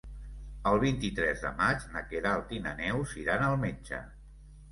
El vint-i-tres de maig na Queralt i na Neus iran al metge.